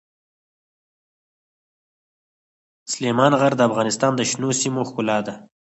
سلیمان غر د افغانستان د شنو سیمو ښکلا ده.